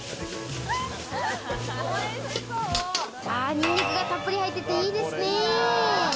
ニンニクがたっぷり入ってて、いいですねえ。